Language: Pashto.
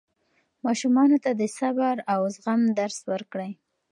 ماشومانو ته د صبر او زغم درس ورکړئ.